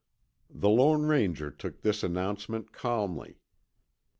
The Lone Ranger took this announcement calmly.